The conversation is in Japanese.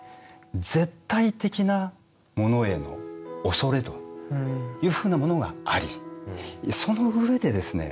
絶対的なものへの畏れというふうなものがありその上でですね